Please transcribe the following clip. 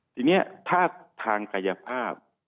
ทีนี้ถ้าทางกายภาพ